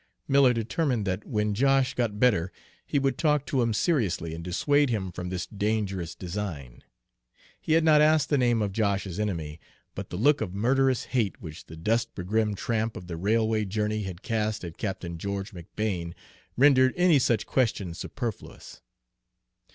Miller determined that when Josh got better he would talk to him seriously and dissuade him from this dangerous design. He had not asked the name of Josh's enemy, but the look of murderous hate which the dust begrimed tramp of the railway journey had cast at Captain George McBane rendered any such question superfluous.